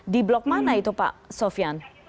di blok mana itu pak sofian